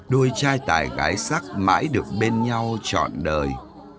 đôi trai tài gái sắc mãi được bên nhau trọn đời